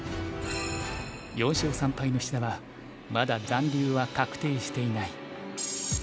４勝３敗の志田はまだ残留は確定していない。